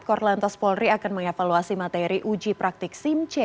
korlantas polri akan mengevaluasi materi uji praktik simc